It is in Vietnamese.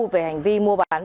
về hành vi mua bán